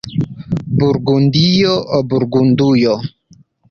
Burgundio, Burgundujo.